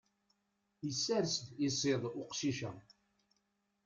Isers-d iṣiḍ uqcic-a.